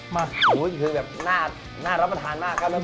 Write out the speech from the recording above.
มาโอ้ยคือแบบหน้ารับประทานมากนะน้ำสม